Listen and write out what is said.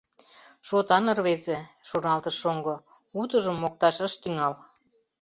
«Шотан рвезе», — шоналтыш шоҥго, утыжым мокташ ыш тӱҥал.